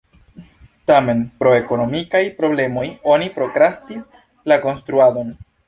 Tamen pro ekonomikaj problemoj oni prokrastis la konstruadon.